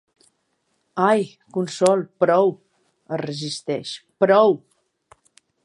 Ai, Consol, prou... —es resisteix— Prou!